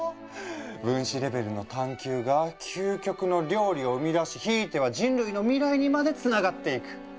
分子レベルの探究が究極の料理を生み出しひいては人類の未来にまでつながっていく。